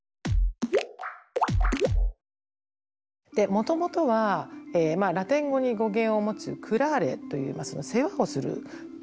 もともとはラテン語に語源を持つクラーレという世話をするという意味。